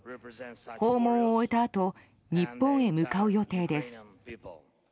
訪問を終えたあと日本へ向かう予定です。